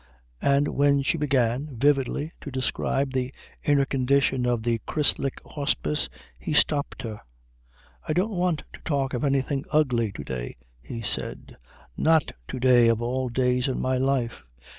But when she began vividly to describe the inner condition of the Christliche Hospiz he stopped her. "I don't want to talk of anything ugly to day," he said. "Not to day of all days in my life."